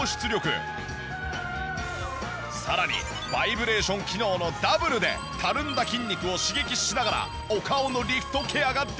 さらにバイブレーション機能のダブルでたるんだ筋肉を刺激しながらお顔のリフトケアができちゃうんです。